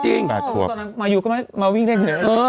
ตอนนั้นมายุก็มาวิ่งได้ไง